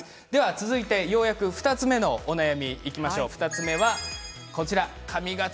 続いてようやく２つ目のお悩みにいきましょう。